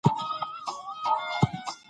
پابندی غرونه د افغانستان د سیلګرۍ برخه ده.